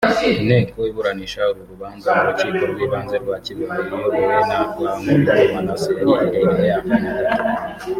Inteko iburanisha uru rubanza mu Rukiko rw’ibanze rwa Kibeho iyobowe na Rwankubito Manasse yariherereye akanya gato